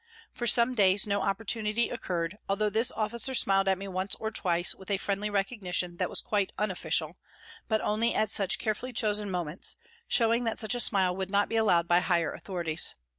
For some days no opportunity occurred, although this officer smiled at me once or twice with a friendly recognition that was quite unofficial, but only at carefully chosen moments, showing that such a smile would not be allowed by higher authorities.